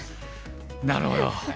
なるほど！